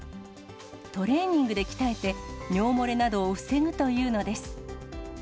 トレーニングで鍛えて、尿もれなどを防ぐというのです。